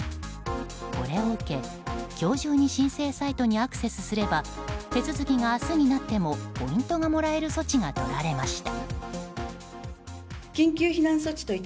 これを受け、今日中に申請サイトにアクセスすれば手続きが明日になってもポイントがもらえる措置が取られました。